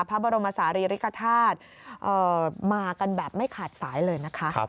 พระบรมศาลีริกฐาตุมากันแบบไม่ขาดสายเลยนะคะ